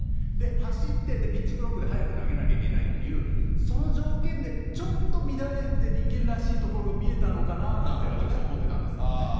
走って、ピッチクロックで早く投げなきゃいけないっていう、その条件でちょっと乱れて人間らしいところが見えたのかななんて、私は思ってたんですけどね。